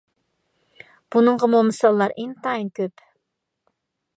بۇنىڭغىمۇ مىساللار ئىنتايىن كۆپ.